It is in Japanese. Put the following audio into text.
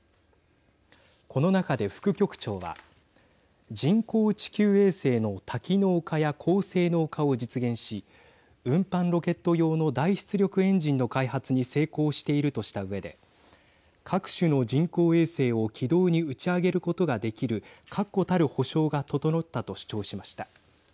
この中で副局長は人口地球衛星の多機能化や高性能化を実現し運搬ロケット用の大出力エンジンの開発に成功しているとしたうえで各種の人工衛星を軌道に打ち上げることができる確固たる保証が整ったと主張しました。